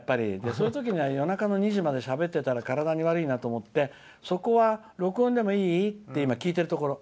そういうときには夜中の２時までしゃべってたら体に悪いなと思ってそこは、録音でもいい？って今、聞いてるところ。